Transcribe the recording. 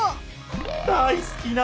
大すきな